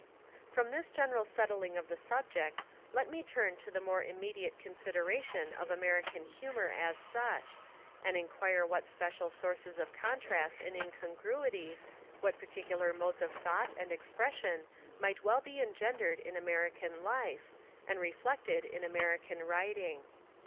From this general settling of the subject let me turn to the more Immediate consideration of American humour as such, and Inquire what special sources of contrast and Incongruity, what particular modes of thought and expression might well be engendered in American life, and reflected in American writing.